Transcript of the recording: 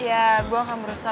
ya gue akan merusak